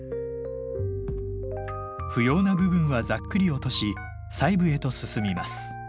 不要な部分はざっくり落とし細部へと進みます。